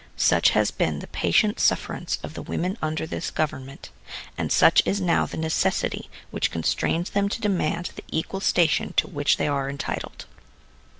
Such has been the patient sufferance of the women under this government, and such is now the necessity which con strains them to demand the equal station to which they are entitled.